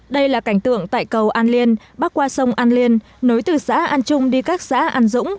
đây là cảnh tượng tại cầu an liên bắc qua sông an liên nối từ xã an trung đi các xã an dũng